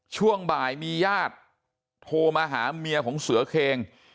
ช่วงบ่ายมีญาติโทรมาหาเมียของเสือเคง